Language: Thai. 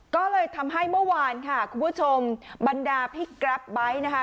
ก็เลยทำให้เมื่อวานค่ะคุณผู้ชมบรรดาพี่กราฟไบท์นะคะ